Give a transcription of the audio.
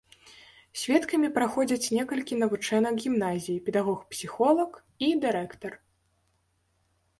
Сведкамі праходзяць некалькі навучэнак гімназіі, педагог-псіхолаг і дырэктар.